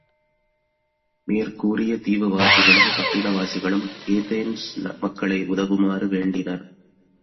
மேற்கூறிய தீவுவாசிகளும், பட்டினவாசிகளும் ஏதேன்ஸ் மக்களை உதவுமாறு வேண்டினர்.